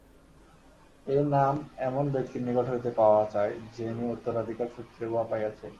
এই নাম এমন ব্যক্তির নিকট হইতে পাওয়া চাই, যিনি উত্তরাধিকারসূত্রে উহা পাইয়াছেন।